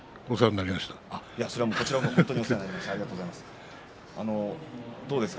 それは、こちらこそ本当にお世話になりました。